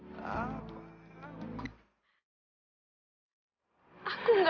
apakah aku benar benar nggak ada di hati kamu wih